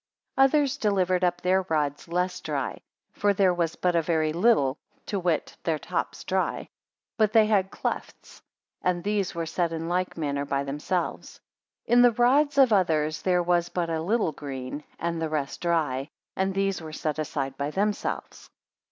9 Others delivered up their rods less dry (for there was but a very little, to wit, their tops dry), but they had clefts, and these were set in like manner by themselves. In the rods of others there was but a little green, and the rest dry; and these were set aside by themselves.